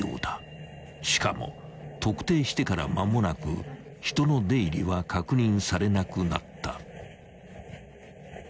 ［しかも特定してから間もなく人の出入りは確認されなくなった］